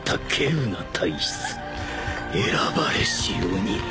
選ばれし鬼。